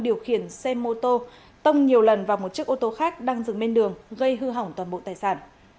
điều khiển xe mô tô tông nhiều lần vào một chiếc ô tô khác đang dừng bên đường gây hư hỏng toàn bộ tài sản